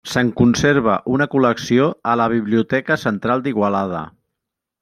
Se'n conserva una col·lecció a la Biblioteca Central d'Igualada.